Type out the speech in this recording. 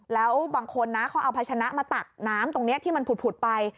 แล้วบางคนนะเขาเอาพัชนะมาตักน้ำตรงนี้ที่มันผุดไป